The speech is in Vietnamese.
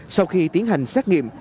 sau khi tiến hành xét nghiệm